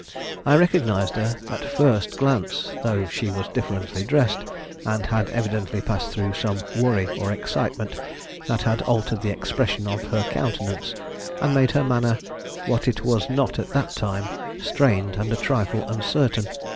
I recognized her at first glance, though she was differently dressed, and had evidently passed through some worry or excitement that had altered the expression of her countenance, and made her manner what it was not at that time, strained and a trifle uncertain.